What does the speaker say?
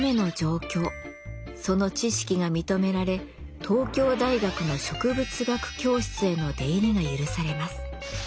その知識が認められ東京大学の植物学教室への出入りが許されます。